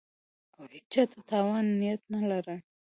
او هېچا ته د تاوان نیت نه لري